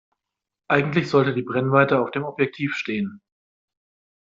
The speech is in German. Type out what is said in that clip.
Eigentlich sollte die Brennweite auf dem Objektiv stehen.